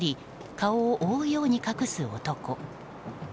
顔を覆うように隠す男。